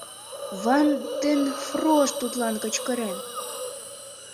— Ван дер Фрош тудлан кычкырен.